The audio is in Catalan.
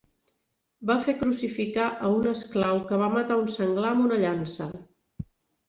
Va fer crucificar a un esclau que va matar un senglar amb una llança.